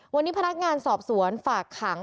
วันนี้พนักงานสอบสวนฝากขัง